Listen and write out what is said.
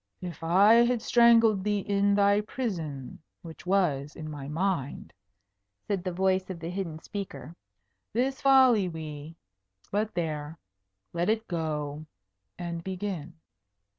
"If I had strangled thee in thy prison, which was in my mind," said the voice of the hidden speaker, "this folly we but there. Let it go, and begin."